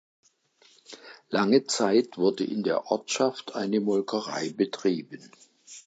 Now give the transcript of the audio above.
Lange Zeit wurde in der Ortschaft eine Molkerei betrieben.